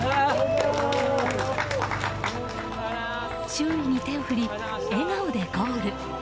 周囲に手を振り、笑顔でゴール。